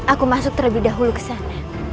aku masuk terlebih dahulu kesana